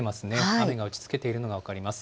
雨が打ちつけているのが分かります。